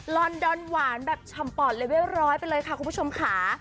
อนดอนหวานแบบฉ่ำปอดเลเวลร้อยไปเลยค่ะคุณผู้ชมค่ะ